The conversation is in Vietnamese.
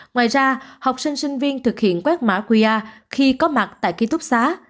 ngoài ra học sinh sinh viên thực hiện quét mã qr khi có mặt tại ký túc xá